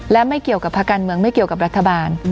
และไม่เกี่ยวกับภาคการเมืองไม่เกี่ยวกับรัฐบาล